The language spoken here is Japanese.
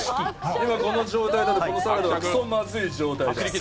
今この状態だとこのサラダはくそまずい状態だ。